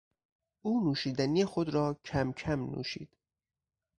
او نوشیدنی خود را کمکم نوشید.